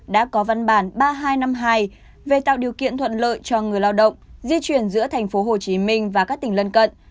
đã có văn bản ba nghìn hai trăm năm mươi hai về tạo điều kiện thuận lợi cho người lao động di chuyển giữa tp hcm và các tỉnh lân cận